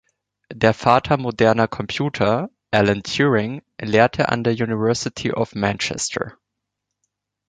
Der „Vater“ moderner Computer, Alan Turing, lehrte an der University of Manchester.